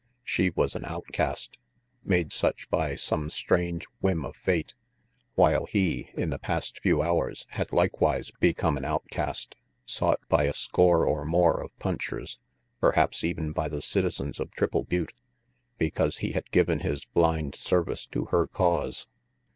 She was an outcast, made such by some strange whim of fate; while he, in the past few hours, had likewise become an outcast, sought by a score or more of punchers, perhaps even by the 242 RANGY PETE citizens of Triple Butte, because he had given his blind service to her cause.